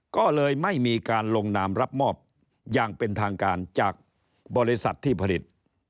ก็เลยไม่มีการลงนามรับมอบอย่างเป็นทางการจากบริษัทที่ผลิต